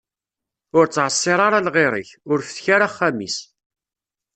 Ur ttɛeṣṣir ara lɣir-ik, ur fettek ara axxam-is.